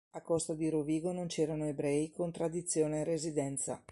A Costa di Rovigo non c'erano ebrei con tradizione e residenza.